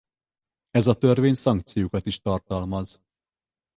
Ez a törvény szankciókat is tartalmaz.